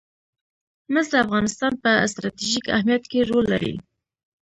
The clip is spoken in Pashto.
مس د افغانستان په ستراتیژیک اهمیت کې رول لري.